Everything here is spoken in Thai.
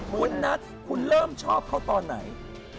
คุณนัทคุณเริ่มชอบเขาตอนไหน